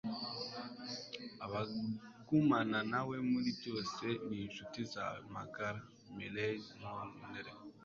abagumana nawe muri byose - ni inshuti zawe magara. - marilyn monroe